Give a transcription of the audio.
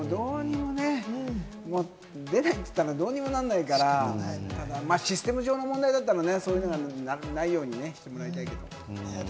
こればっかりは、どうにもね。出ないって言ったらどうにもならないから、ただシステム上の問題だったら、もうないようにしてもらいたい。